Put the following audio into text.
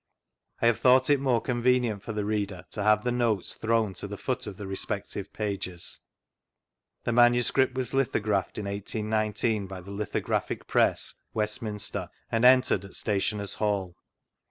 I have thought it more convenient for th^ reader to have the notes thrown to the foot of the respective pages. The manu script was lithographed, in 18 19, by the Litho graphic Press, Westminster, and entered at Stationers* Hall.